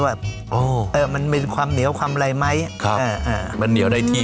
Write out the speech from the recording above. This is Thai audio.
อ๋อเออมันเป็นความเหนียวความไหลไม้ครับเออเออมันเหนียวได้ที่